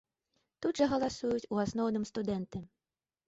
Тут жа галасуюць у асноўным студэнты.